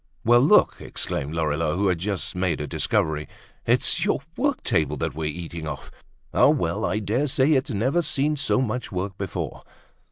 "Well, look," exclaimed Lorilleux, who had just made a discovery, "it's your work table that we're eating off! Ah, well! I daresay it's never seen so much work before!"